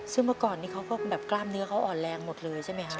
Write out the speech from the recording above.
ซึ่งเมื่อก่อนอย่างงี้เขากล้ามเนื้ออ่อนแรงหมดเลยใช่ไหมครับ